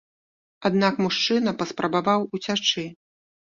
Аднак мужчына паспрабаваў уцячы.